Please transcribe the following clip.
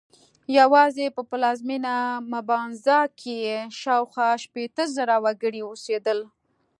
یوازې په پلازمېنه مبانزا کې یې شاوخوا شپېته زره وګړي اوسېدل.